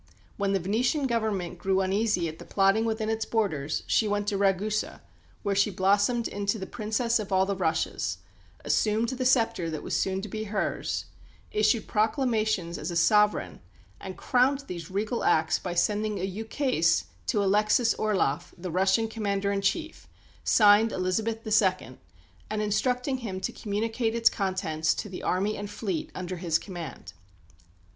When the Venetian Government grew uneasy at the plotting within its borders, she went to Ragusa, where she blossomed into the "Princess of all the Russias," assumed the sceptre that was soon to be hers, issued proclamations as a sovereign, and crowned these regal acts by sending a ukase to Alexis Orloff, the Russian Commander in Chief, "signed Elizabeth II., and instructing him to communicate its contents to the army and fleet under his command."